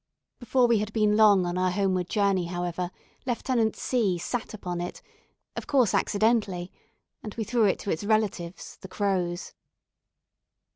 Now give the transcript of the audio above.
Before we had been long on our homeward journey, however, Lieut. C sat upon it, of course accidentally, and we threw it to its relatives the crows.